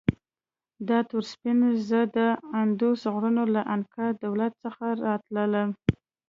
دا ټول سپین زر د اندوس غرونو له انکا دولت څخه راتلل.